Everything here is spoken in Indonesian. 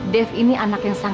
bentar ya pak